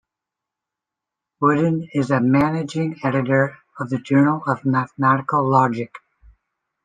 Woodin is a managing editor of the Journal of Mathematical Logic.